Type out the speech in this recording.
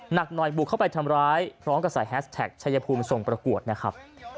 หนักหน่อยบุกเข้าไปทำร้ายพร้อมกับใส่แฮสแท็กชายภูมิส่งประกวดนะครับ